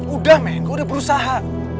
udah men gue udah berusaha